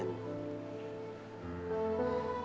perbahannya akan kita buka pagi ini